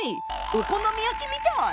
お好み焼きみたい。